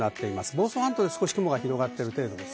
房総半島で雲が広がっている程度です。